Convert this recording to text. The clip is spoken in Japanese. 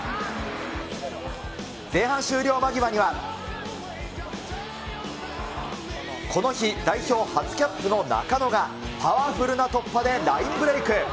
前半終了間際には、この日、代表初キャップの中野がパワフルな突破でラインブレーク。